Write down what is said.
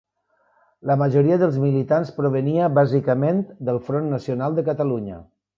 La majoria dels militants provenia, bàsicament, del Front Nacional de Catalunya.